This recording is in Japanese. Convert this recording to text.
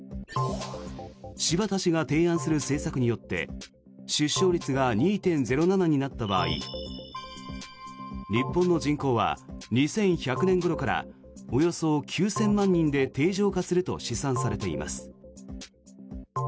柴田氏が提案する政策によって出生率が２．０７になった場合日本の人口は２１００年ごろからおよそ９０００万人で定常化すると試算されています。